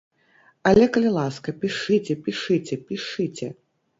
Але калі ласка, пішыце, пішыце, пішыце!